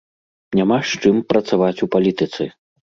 Няма з чым працаваць у палітыцы!